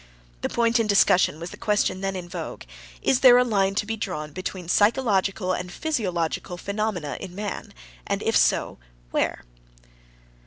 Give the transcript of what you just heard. The point in discussion was the question then in vogue: Is there a line to be drawn between psychological and physiological phenomena in man? and if so, where?